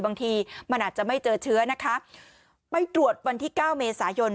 บางทีมันอาจจะไม่เจอเชื้อนะคะไปตรวจวันที่เก้าเมษายน